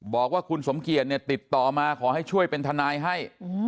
บอกว่าคุณสมเกียจเนี่ยติดต่อมาขอให้ช่วยเป็นทนายให้